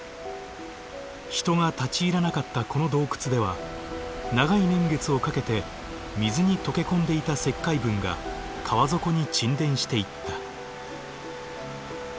人が立ち入らなかったこの洞窟では長い年月をかけて水に溶け込んでいた石灰分が川底に沈殿していった。